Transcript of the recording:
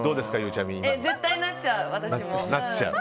絶対なっちゃう。